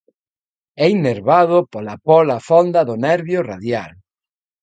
É innervado pola póla fonda do nervio radial.